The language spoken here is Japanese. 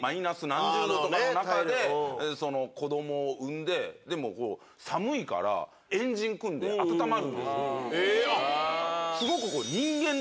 何十度とかの中で子供を産んで寒いから円陣組んで温まるんですよ。